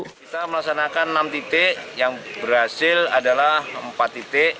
kita melaksanakan enam titik yang berhasil adalah empat titik